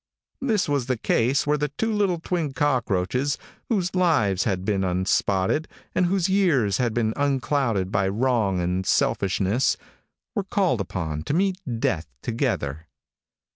This was the case where two little twin cockroaches, whose lives had been unspotted, and whose years had been unclouded by wrong and selfishness, were called upon to meet death together.